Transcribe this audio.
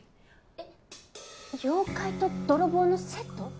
えっ妖怪と泥棒のセット？